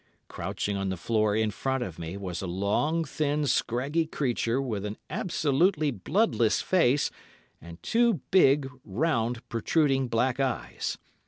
Crouching on the floor in front of me was a long, thin, scraggy creature with an absolutely bloodless face and two big, round, protruding black eyes.